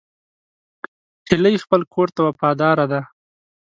هیلۍ خپل کور ته وفاداره ده